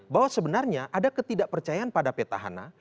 bahwa sebenarnya ada ketidakpercayaan pada petahana